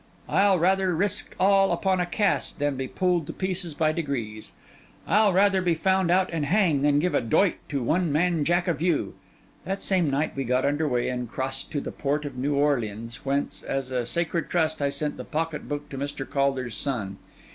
I'll rather risk all upon a cast, than be pulled to pieces by degrees. I'll rather be found out and hang, than give a doit to one man jack of you.' That same night we got under way and crossed to the port of New Orleans, whence, as a sacred trust, I sent the pocket book to Mr. Caulder's son.